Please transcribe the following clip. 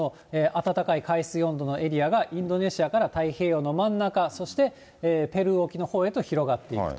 となると、この暖かい海水温度のエリアが、インドネシアから太平洋の真ん中、ペルー沖のほうへと広がっていくと。